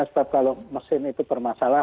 sebab kalau mesin itu bermasalah